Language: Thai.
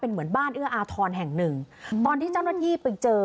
เหมือนบ้านเอื้ออาทรแห่งหนึ่งตอนที่เจ้าหน้าที่ไปเจอ